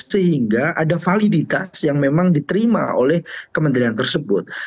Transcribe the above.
sehingga ada validitas yang memang diterima oleh kementerian tersebut